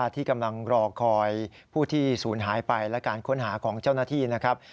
ที่กำลังรอคอยผู้ที่ศูนย์หายไปและการค้นหาของเจ้าหน้าที่นะครับ